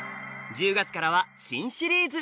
１０月からは新シリーズ！